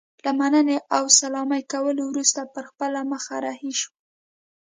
له مننې او سلامي کولو وروسته پر خپله مخه رهي شو.